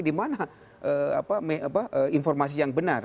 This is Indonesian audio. di mana informasi yang benar